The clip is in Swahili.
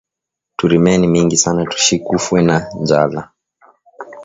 Turimeni mingi sana tushikufwe na njala